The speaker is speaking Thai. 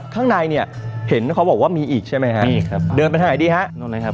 ข้างในเนี่ยเห็นเขาบอกว่ามีอีกใช่ไหมฮะนี่ครับเดินไปทางไหนดีฮะตรงไหนครับ